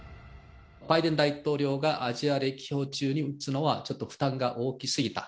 バイデン大統領がアジア歴訪中に撃つのは、ちょっと負担が大きすぎた。